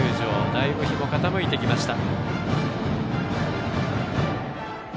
だいぶ日も傾いてきました。